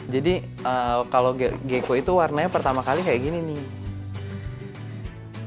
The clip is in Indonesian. jadi kalau gecko itu warnanya pertama kali kayak gini nih